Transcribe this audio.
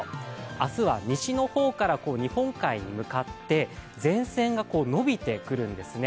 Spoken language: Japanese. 明日は西の方から日本海に向かって前線が伸びてくるんですね。